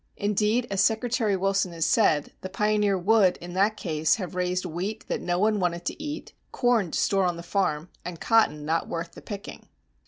Indeed, as Secretary Wilson has said, the pioneer would, in that case, have raised wheat that no one wanted to eat, corn to store on the farm, and cotton not worth the picking.